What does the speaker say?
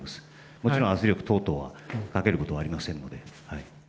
もちろん圧力等々はかけることはありませんので。